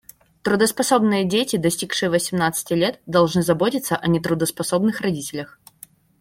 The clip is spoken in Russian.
Трудоспособные дети, достигшие восемнадцати лет, должны заботиться о нетрудоспособных родителях.